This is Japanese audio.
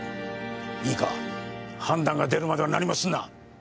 いいか判断が出るまでは何もするな。